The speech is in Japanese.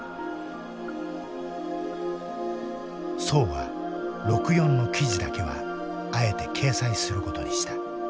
曽は六四の記事だけはあえて掲載することにした。